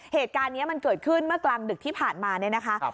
เหตุการณ์นี้มันเกิดขึ้นเมื่อกลางดึกที่ผ่านมาเนี่ยนะคะ